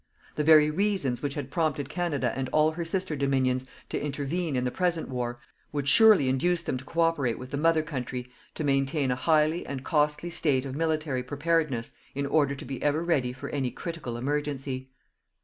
The very reasons which had prompted Canada and all her sister Dominions to intervene in the present war, would surely induce them to cooperate with the Mother Country to maintain a highly and costly state of military preparedness in order to be ever ready for any critical emergency.